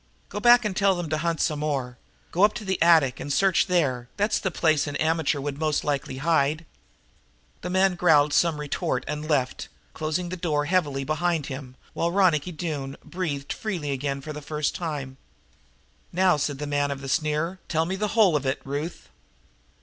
Go back and tell them to hunt some more. Go up to the attic and search there. That's the place an amateur would most likely hide." The man growled some retort and left, closing the door heavily behind him, while Ronicky Doone breathed freely again for the first time. "Now," said the man of the sneer, "tell me the whole of it, Ruth."